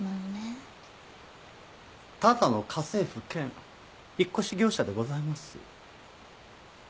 ただの家政夫兼引っ越し業者でございます。